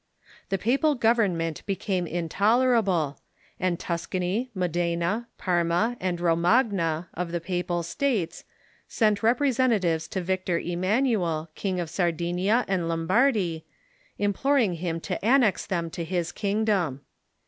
The papal govern ment became intolerable, and Tuscan} , Modena, Parma, and Romagna, of the Papal States, sent representatives to Victor Emmanuel, King of Sardinia and Lombardy, imploring him to annex them to his kingdom.